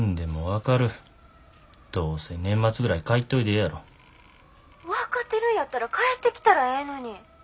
どうせ「年末ぐらい帰っといで」やろ。分かってるんやったら帰ってきたらええのに。